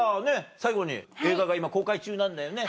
最後に映画が今公開中なんだよね。